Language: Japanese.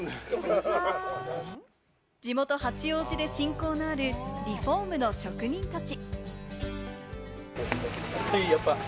地元・八王子で親交のあるリホームの職人たち。